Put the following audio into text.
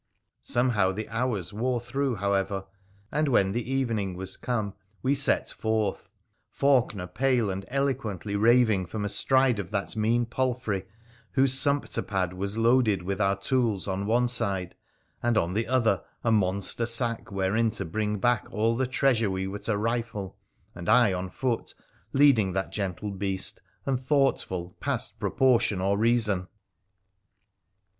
Somehow the hours wore through, however, and when the evening was come, we set forth, Faulkener pale and elo quently raving from astride of that mean palfrey whose sumpter pad was loaded with our tools on one side, and on the other a monster sack wherein to bring back all the treasure we were to rifle, and I on foot leading that gentle beast, and thoughtful, past proportion or reason.